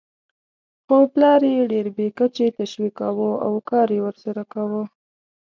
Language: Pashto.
خو پلار یې ډېر بې کچې تشویقاوو او کار یې ورسره کاوه.